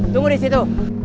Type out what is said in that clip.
tunggu di situ